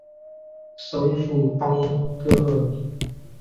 首府邦戈尔。